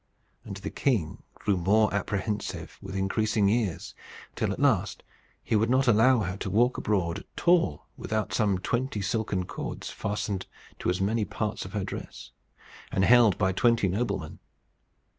And the king grew more apprehensive with increasing years, till at last he would not allow her to walk abroad at all without some twenty silken cords fastened to as many parts of her dress, and held by twenty noblemen.